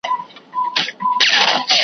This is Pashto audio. د نر هلک ژړا په زانګو کي معلومېږي